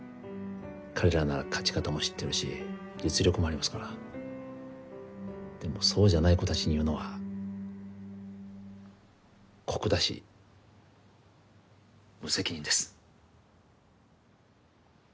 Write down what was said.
彼らなら勝ち方も知ってるし実力もありますからでもそうじゃない子達に言うのは酷だし無責任です